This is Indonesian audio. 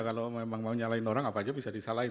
kalau memang mau nyalahin orang apa aja bisa disalahin